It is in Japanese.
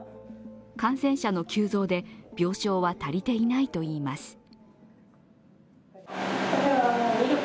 感染者の急増で病床は足りていないといいます。